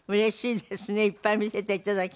いっぱい見せて頂きましょう。